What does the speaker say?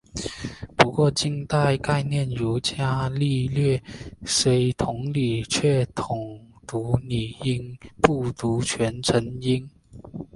不过近代概念如伽利略虽同理却统读拟音不读传承音。